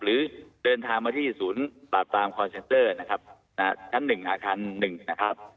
หรือเดินทางมาที่ศูนย์ปราบปรามคอนเซนเตอร์นะครับชั้น๑อาคาร๑นะครับ